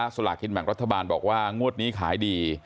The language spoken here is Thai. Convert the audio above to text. สลากินแบ่งรัฐบาลบอกว่างวดนี้ขายดี